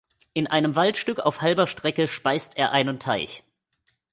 In einem Waldstück auf halber Strecke speist er einen Teich.